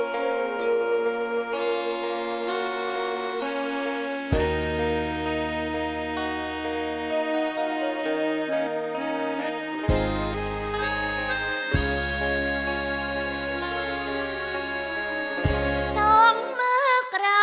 เพลงกลับสู้ค่า